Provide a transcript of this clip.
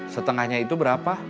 setengahnya itu berapa